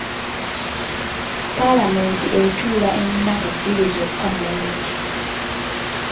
Palamenti etuula ennaku bbiri zokka mu wiiki.